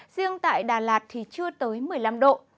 riêng tại đà lạt thì chưa tới một mươi năm độ